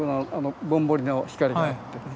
ぼんぼりの光があってね。